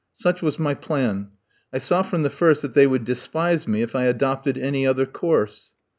Such was my plan. I saw from the first that they would despise me, if I adopted any other course.